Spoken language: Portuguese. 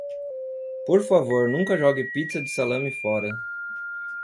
Por favor nunca jogue pizza de salame fora.